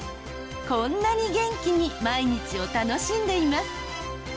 こんなに元気に毎日を楽しんでいます。